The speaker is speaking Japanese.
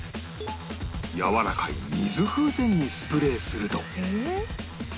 やわらかい水風船にスプレーすると